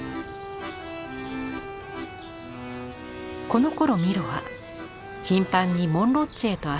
このころミロは頻繁にモンロッチへと足を運びます。